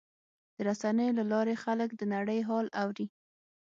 د رسنیو له لارې خلک د نړۍ حال اوري.